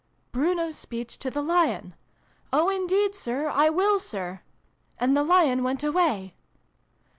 " Bruno's speech to the Lion. Oh, indeed, Sir, I will, Sir!' And the Lion went away."